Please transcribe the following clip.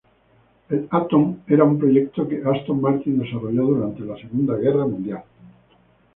El Atom era un proyecto que Aston Martin desarrolló durante la Segunda Guerra Mundial.